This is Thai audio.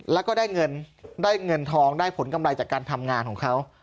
แล้วก็ได้เงินได้เงินทองได้ผลกำไรจากการทำงานของเขา